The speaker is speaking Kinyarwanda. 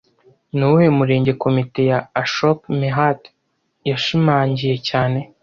Ni uwuhe Murenge Komite ya Ashok Mehta yashimangiye cyane